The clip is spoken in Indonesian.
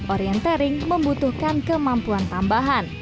orientering membutuhkan kemampuan tambahan